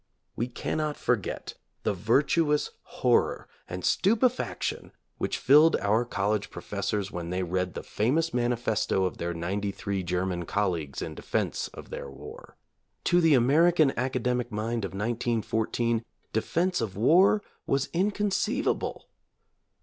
We cannot forget the virtuous horror and stupefaction which filled our college professors when they read the famous manifesto of their ninety three German colleagues in defense of their war. To the American academic mind of 1914 defense of war was inconceivable.